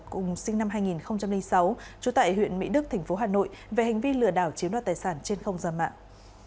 cùng sinh năm hai nghìn sáu trú tại huyện mỹ đức thành phố hà nội về hành vi lừa đảo chiếm đoạt tài sản trên không gian mạng